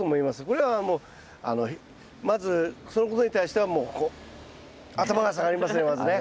これはもうまずそのことに対してはもうこう頭が下がりますねまずね。